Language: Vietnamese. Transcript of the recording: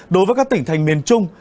đối với các tỉnh thành miền trung